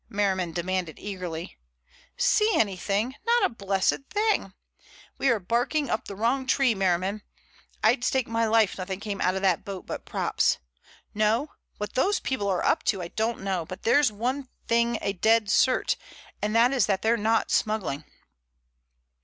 Merriman demanded eagerly. "See anything? Not a blessed thing! We are barking up the wrong tree, Merriman. I'll stake my life nothing came out of that boat but props. No; what those people are up to I don't know, but there's one thing a dead cert, and that is that they're not smuggling."